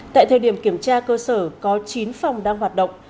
tại thời điểm kiểm tra cơ sở có chín phòng đang hoạt động